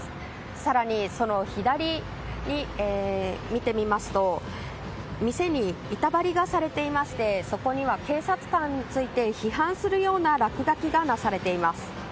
更に、その左を見てみますと店に板張りがされていましてそこには警察官について批判するような落書きがなされています。